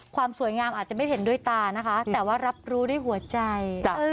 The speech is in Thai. ความสวยงามอาจจะไม่เห็นด้วยตานะคะแต่ว่ารับรู้ด้วยหัวใจ